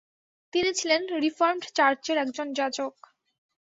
তিনি ছিলেন রিফর্মড চার্চের একজন যাজক।